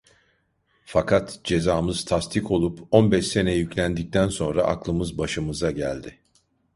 Fakat cezamız tasdik olup on beş sene yüklendikten sonra aklımız başımıza geldi.